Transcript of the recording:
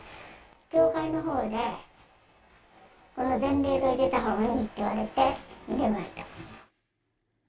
教会のほうで、善霊堂入れたほうがいいって言われて、入れました。